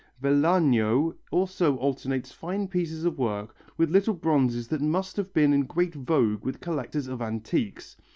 Vellano also alternates fine pieces of work with little bronzes that must have been in great vogue with collectors of antiques.